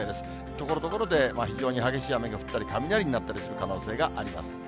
ところどころで非常に激しい雨が降ったり、雷になったりする可能性があります。